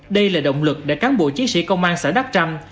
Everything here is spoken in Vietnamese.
đây là động lực để cán bộ chiến sĩ công an xã đắc trăm